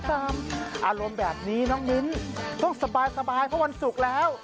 อารมณ์แบบนี้น้องมิ้นต้องสบายเพราะวันศุกร์แล้ว